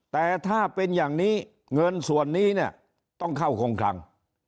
แต่ถ้าเป็นอย่างนี้เงินส่วนนี้เนี่ยต้องเข้าคงคลัง